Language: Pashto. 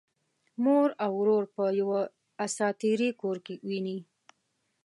مور او ورور په یوه اساطیري کور کې ويني.